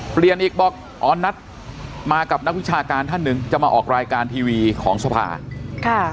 เปลี่ยนอีกบอกอ๋อนัทมากับนักวิชาการท่านหนึ่งจะมาออกรายการทีวีของสภาค่ะ